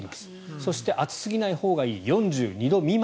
そして、熱すぎないほうがいい４２度未満。